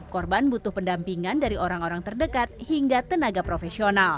korban butuh pendampingan dari orang orang terdekat hingga tenaga profesional